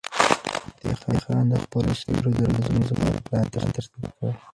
فتح خان د خپلو سرتیرو د نظم لپاره پلان ترتیب کړ.